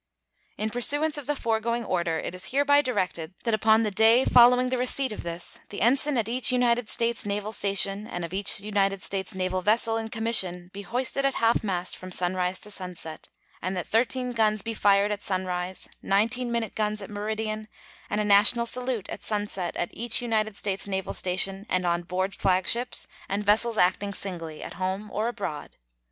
] In pursuance of the foregoing order, it is hereby directed that upon the day following the receipt of this the ensign at each United States naval station and of each United States naval vessel in commission be hoisted at half mast from sunrise to sunset, and that thirteen guns be fired at sunrise, nineteen minute guns at meridian, and a national salute at sunset at each United States naval station and on board flagships and vessels acting singly, at home or abroad.